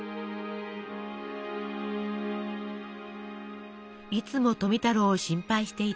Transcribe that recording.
いつも富太郎を心配していた壽衛。